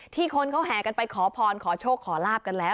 คนเขาแห่กันไปขอพรขอโชคขอลาบกันแล้ว